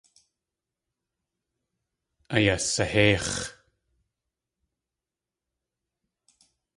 Ayasahéix̲.